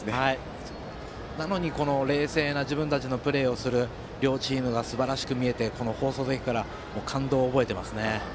なのに、冷静な自分たちのプレーをする両チームがすばらしく見えて放送席から感動を覚えてますね。